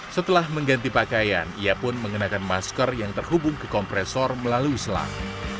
setelah mengganti pakaian ia pun mengenakan masker yang terhubung ke kompresor melalui selang